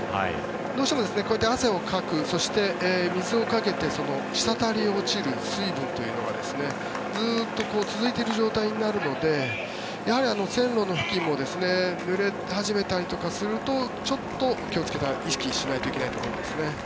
どうしても汗をかくそして、水をかけて滴り落ちる水分というのがずっと続いている状態になるのでやはり、線路の付近もぬれ始めたりとかするとちょっと気をつけたい意識しないといけないと思うんですね。